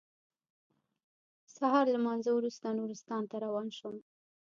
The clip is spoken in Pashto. سهار له لمانځه وروسته نورستان ته روان شوم.